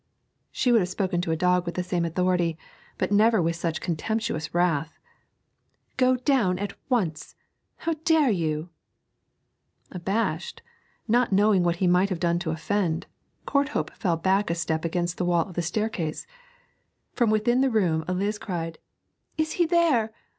She would have spoken to a dog with the same authority, but never with such contemptuous wrath. 'Go down at once! How dare you!' Abashed, knowing not what he might have done to offend, Courthope fell back a step against the wall of the staircase. From within the room Eliz cried, 'Is he there?